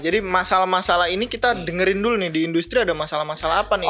jadi masalah masalah ini kita dengerin dulu nih di industri ada masalah masalah apa nih